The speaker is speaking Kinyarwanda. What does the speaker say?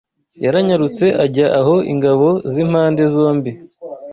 yaranyarutse ajya aho ingabo z’impande zombie